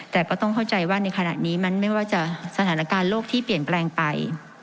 แต่ก็ต้องเข้าใจว่าในขณะนี้มันไม่ว่าจะสถานการณ์โลกที่เปลี่ยนแปลงไป